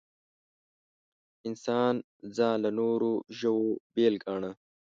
انسان ځان له نورو ژوو بېل ګاڼه.